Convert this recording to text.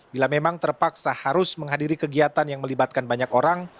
bila memang terpaksa harus menghadiri kegiatan yang melibatkan banyak orang